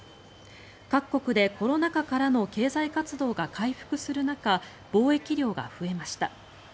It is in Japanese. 各国でコロナ禍からの経済活動が回復する中貿易量が増えました。